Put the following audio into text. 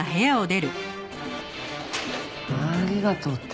「ありがとう」って。